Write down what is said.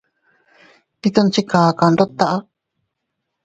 Ndi tono chi kaka ndut taʼa.